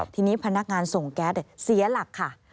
ทีนี้พนักงานส่งแก๊สเสียหลักค่ะ